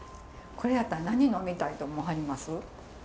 これやったら何呑みたいと思わはります？